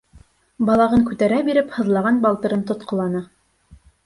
Балағын күтәрә биреп һыҙлаған балтырын тотҡоланы.